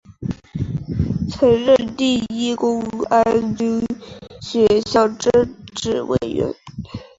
曾任第一公安军学校政治委员。